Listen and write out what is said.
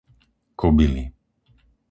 Kobyly